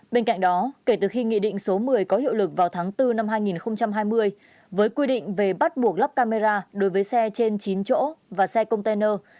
bên cạnh đó kể từ khi nghị định số một mươi có hiệu lực vào tháng bốn năm hai nghìn hai mươi với quy định về bắt buộc lắp camera đối với xe trên chín chỗ và xe container